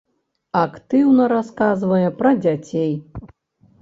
Актыўна расказвае пра дзяцей.